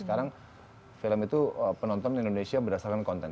sekarang film itu penonton indonesia berdasarkan konten